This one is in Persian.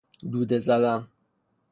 دوده زدن